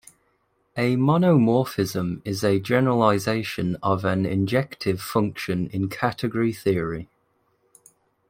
A monomorphism is a generalization of an injective function in category theory.